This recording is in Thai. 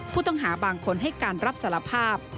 ผู้ต้องหาบางคนให้การรับสารภาพ